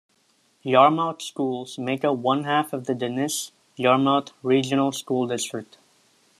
Yarmouth schools make up one-half of the Dennis-Yarmouth Regional School District.